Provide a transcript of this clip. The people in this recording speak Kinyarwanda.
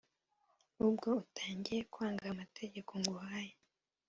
Ubwo utangiye kwangaAmategeko nguhaye,